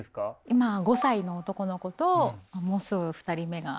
今５歳の男の子ともうすぐ２人目が。